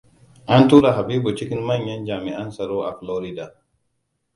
An tura Habibu cikin manyan jami'an tsaro a Florida.